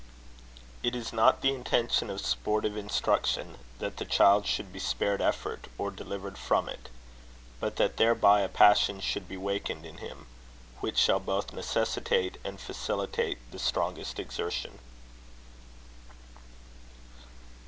It is not the intention of sportive instruction that the child should be spared effort, or delivered from it; but that thereby a passion should be wakened in him, which shall both necessitate and facilitate the strongest exertion.